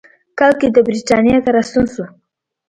کال کې د برېټانیا ته راستون شو.